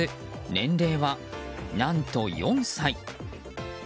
年齢は、何と４歳。